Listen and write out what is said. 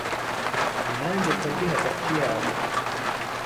nanjye mba ndi hagati yabo.